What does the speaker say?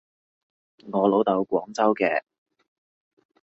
我老豆廣州嘅